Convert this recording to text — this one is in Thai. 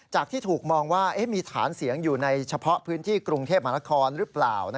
ที่ถูกมองว่ามีฐานเสียงอยู่ในเฉพาะพื้นที่กรุงเทพมหานครหรือเปล่า